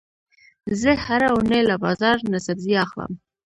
زه هره اونۍ له بازار نه سبزي اخلم.